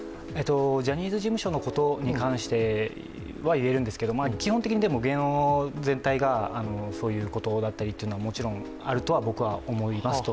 ジャニーズ事務所のことに関しては言えるんですけど基本的に芸能全体がそういうことだったりというのはもちろんあるとは僕は思いますと。